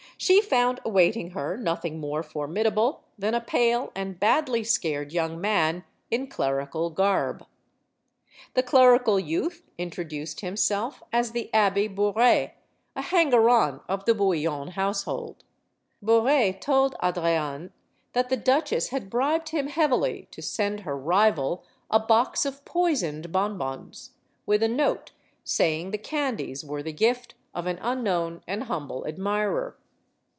She found awaiting her nothing more formidable than a pale and badly scared young man in clerical garb. The clerical youth introduced himself as the Abbe Bouret, a hanger on of the Bouillon household. Bouret told Adrienne that the duchesse had bribed him heavily to send her rival a box of poisoned bonbons, with a note saying the candies were the gift of an unknown and humble admirer.